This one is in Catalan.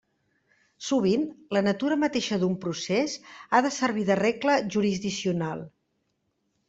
Sovint la natura mateixa d'un procés ha de servir de regla jurisdiccional.